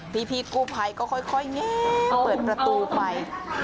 พี่กู้ภัยก็ค่อยงี้เปิดประตูไป